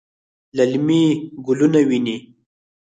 للمي ګلونه ویني